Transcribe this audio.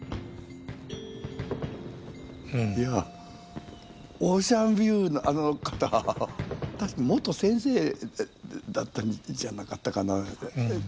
いやオーシャンビューのあの方確か元先生だったんじゃなかったかな。